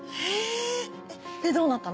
えでどうなったの？